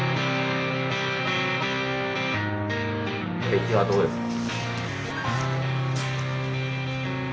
出来はどうですか？